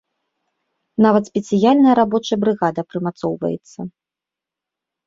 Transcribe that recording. Нават спецыяльная рабочая брыгада прымацоўваецца.